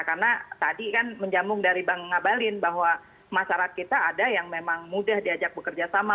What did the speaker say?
karena tadi kan menjamung dari bang ngabalin bahwa masyarakat kita ada yang memang mudah diajak bekerja sama